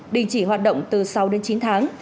đình chỉ hoạt động từ sáu đến chín tháng